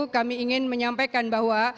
kami ingin menyampaikan bahwa